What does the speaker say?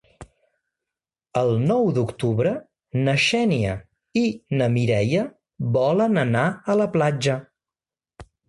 El nou d'octubre na Xènia i na Mireia volen anar a la platja.